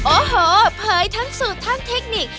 โอ้โหเผยทั้งสูตรทั้งเทคนิค